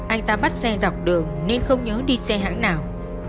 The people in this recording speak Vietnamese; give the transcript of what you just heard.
anh ta bắt xe dọc đường nên không nhớ đi xe hãng nào